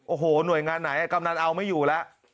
โอ้โหหน่วยงานไหนกำนันเอาไม่อยู่แล้ว